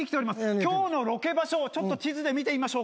今日のロケ場所をちょっと地図で見てみましょうか。